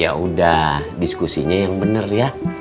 ya udah diskusinya yang benar ya